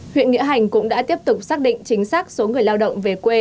huyện nghĩa hành cũng đã tiếp tục xác định chính xác số người lao động về quê